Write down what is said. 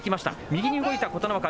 右に動いた琴ノ若。